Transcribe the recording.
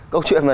câu chuyện này